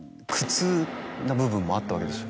な部分もあったわけですよ。